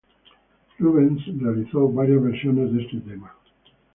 Rubens realizó varias versiones de este tema.